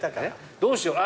どうしようあ